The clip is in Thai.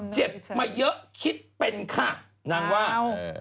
เชียร์ว่าไง